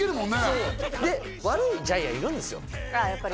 そう悪いジャイアンもいるんですよ